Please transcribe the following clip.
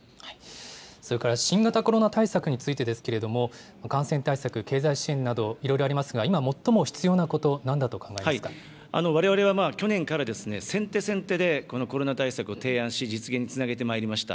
それから新型コロナ対策についてですけれども、感染対策、経済支援など、いろいろありますが、今最も必要なこと、なんだと考えわれわれは去年から、先手先手でこのコロナ対策を提案し、実現につなげてまいりました。